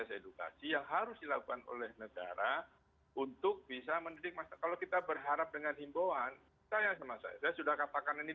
tetap harus ada pendekatan pendekatan